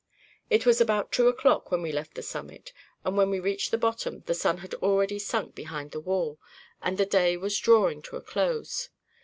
It was about two o'clock when we left the summit; and when we reached the bottom, the sun had already sunk behind the wall, and the day was drawing to a close.